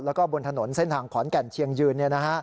แล้วก็บนถนนเส้นทางขอนแก่นเชียงยืน